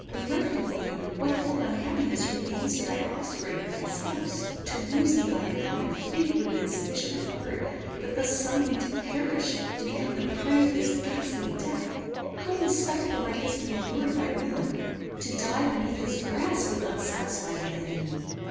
Bereft of thee, what hold on happiness remains to thy offspring and thy spouse? To lose thee by a common fate would have been sufficiently hard; but thus suddenly to perish to become the prey of this ghastly death! How will a spectacle like this be endured by Wieland? To die beneath his grasp would not satisfy thy enemy.